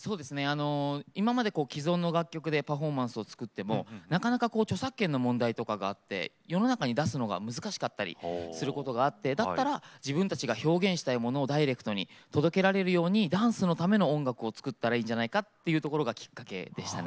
今まで既存の楽曲でパフォーマンスを作ってもなかなか著作権の問題とかがあって世の中に出すのが難しかったりすることがあってだったら自分たちが表現したいものをダイレクトに届けられるようにダンサーのための音楽を作ったらいいんじゃないかというのがきっかけでしたね。